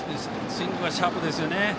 スイングがシャープですね。